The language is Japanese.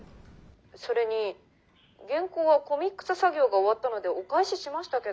「それに原稿はコミックス作業が終わったのでお返ししましたけど」。